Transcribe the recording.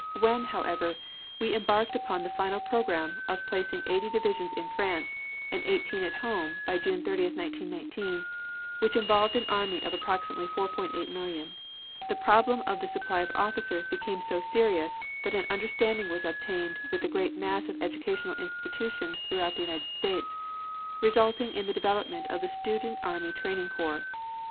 When, however, we embarked upon the final program of placing eighty divisions in France and eighteen at home by June 30, 1919, which involved an army of approximately 4,800,000, the problem of the supply of officers became so serious that an understanding was obtained with the great mass of educational institutions throughout the United States, resulting in the development of the Student Army Training Corps.